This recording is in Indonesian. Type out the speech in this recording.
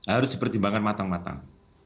harus dipertimbangkan matang matang